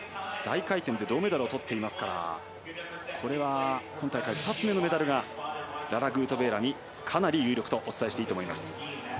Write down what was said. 大回転で銅メダルをとっていますから、今大会２つ目のメダルがララ・グートベーラミかなり有力とお伝えしていいと思います。